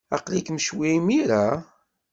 Aql-ikem ccwi imir-a?